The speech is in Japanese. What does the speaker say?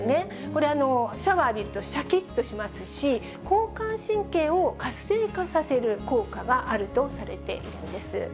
これ、シャワー浴びるとしゃきっとしますし、交感神経を活性化させる効果があるとされているんです。